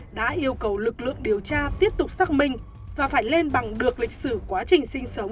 đã yêu cầu lực lượng điều tra tiếp tục xác minh và phải lên bằng được lịch sử quá trình sinh sống